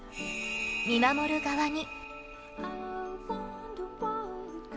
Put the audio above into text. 見守る側に。